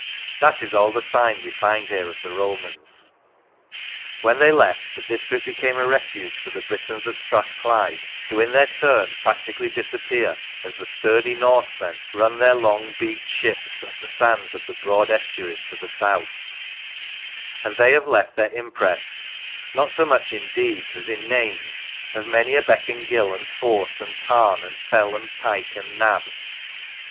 That is all the sign we find here of the Romans. When they left, the district became a refuge for the Britons of Strathclyde, who, in their turn, practically disappear as the sturdy Norsemen run their long beaked ships up on the sands of the broad estuaries to the south; and they have left their impress, not so much in deeds as in names of many a beck and gill and force and tarn and fell and pike and nab.